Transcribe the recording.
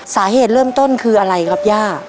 สาเหตุเริ่มต้นคืออะไรครับย่า